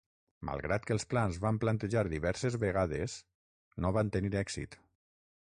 Malgrat que els plans van plantejar diverses vegades, no van tenir èxit.